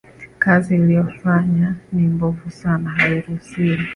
Kazi aliyofanya ni mbovu sana hairusiwi